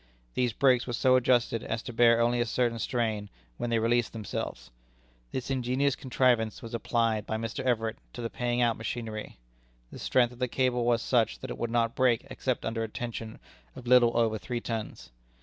These brakes were so adjusted as to bear only a certain strain, when they released themselves. This ingenious contrivance was applied by Mr. Everett to the paying out machinery. The strength of the cable was such that it would not break except under a tension of a little over three tons.